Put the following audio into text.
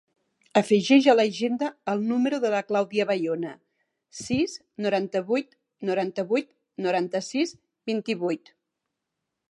Afegeix a l'agenda el número de la Clàudia Bayona: sis, noranta-vuit, noranta-vuit, noranta-sis, vint-i-vuit.